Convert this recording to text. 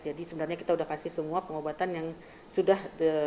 jadi sebenarnya kita sudah kasih semua pengobatan yang sudah